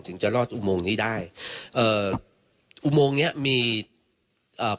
จะรอดอุโมงนี้ได้เอ่ออุโมงเนี้ยมีเอ่อ